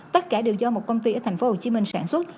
tất cả đều do một công ty ở thành phố hồ chí minh sản xuất